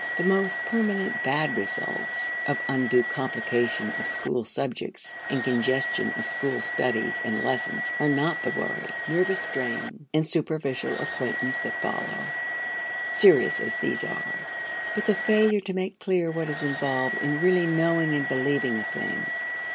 The most permanent bad results of undue complication of school subjects and congestion of school studies and lessons are not the worry, nervous strain, and superficial acquaintance that follow (serious as these are), but the failure to make clear what is involved in really knowing and believing a thing.